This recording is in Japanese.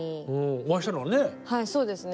お会いしたのはね。